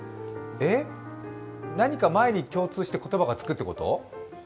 え、何か前に共通して言葉がつくってこと？